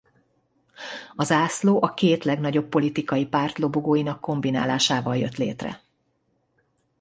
A zászló a két legnagyobb politikai párt lobogóinak kombinálásával jött létre.